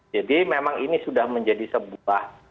jadi memang ini sudah menjadi sebuah